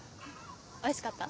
おいしかった？